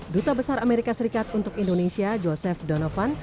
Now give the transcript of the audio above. duta besar amerika serikat untuk indonesia joseph donovan